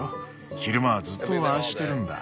昼間はずっとああしてるんだ。